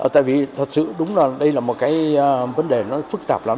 tại vì thật sự đúng là đây là một cái vấn đề nó phức tạp lắm